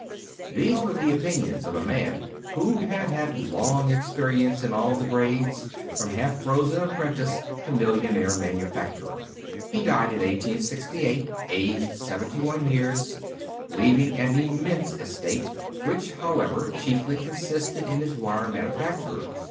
These were the opinions of a man who had had long experience in all the grades, from half frozen apprentice to millionaire manufacturer. He died in 1868, aged seventy one years, leaving an immense estate; which, however, chiefly consisted in his wire manufactory.